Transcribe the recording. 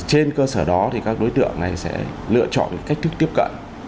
trên cơ sở đó thì các đối tượng này sẽ lựa chọn cách thức tiếp cận